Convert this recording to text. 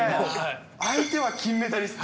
相手は金メダリスト。